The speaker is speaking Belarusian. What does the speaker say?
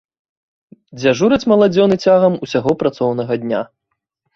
Дзяжураць маладзёны цягам усяго працоўнага дня.